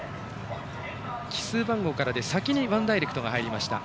奇数番号からで先にワンダイレクトが入りました。